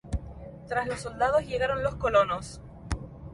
Tras los soldados, llegaron los colonos.